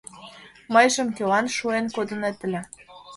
Мыйжым кӧлан шуэн кодынет ыле?